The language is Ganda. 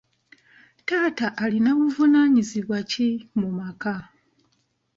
Taata alina buvunaanyizibwa ki mu maka?